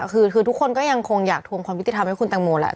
คือทุกคนก็ยังคงอยากทวงความยุติธรรมให้คุณแตงโมแหละ